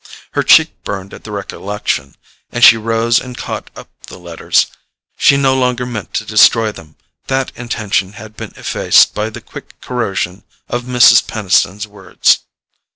Her cheek burned at the recollection, and she rose and caught up the letters. She no longer meant to destroy them: that intention had been effaced by the quick corrosion of Mrs. Peniston's words.